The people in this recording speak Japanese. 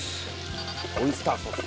オイスターソース。